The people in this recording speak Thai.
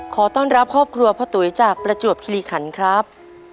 ขอต้อนรับครอบครัวพ่อตุ๋ยจากประจวบคิริขันครับ